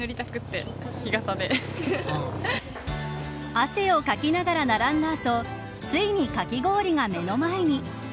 汗をかきながら並んだ後ついにかき氷が目の前に。